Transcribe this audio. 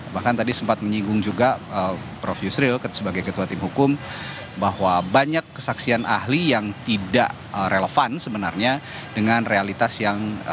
bahkan tadi sempat menyinggung juga prof yusril sebagai ketua tim hukum bahwa banyak kesaksian ahli yang tidak relevan sebenarnya dengan realitas yang